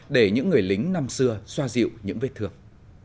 để những người lính năm xưa xoa dịu những vết thương